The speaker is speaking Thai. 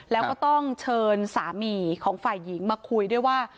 แล้วก็ต้องเชิญสามีของฝ่ายหญิงมาคุยด้วยว่า